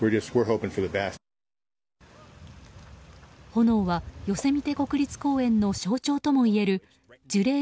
炎は、ヨセミテ国立公園の象徴ともいえる樹齢